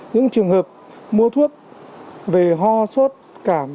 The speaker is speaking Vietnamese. những trường hợp mua thuốc về ho sốt cảm